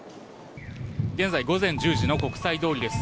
現在午前１０時の国際通りです。